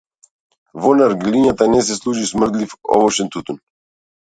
Во наргилињата не се служи смрдлив овошен тутун.